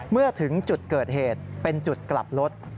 เมื่อถึงจุดเกิดเหตุเป็นจุดกลับรถ